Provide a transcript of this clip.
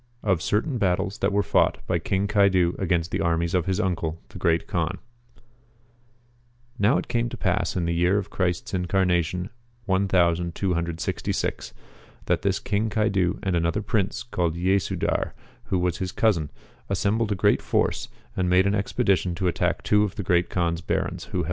Of certain Battles that were Fought by King Caidu against THE Armies of his Uncle the Great Kaan. Now it came to pass in the year of Christ's incarnation, 1266, that this King Caidu and another prince called Yesu DAR who was his cousin, assembled a great force and made an expedition to attack two of the Great Kaan's Barons * Not the Chagan Nur of Book I.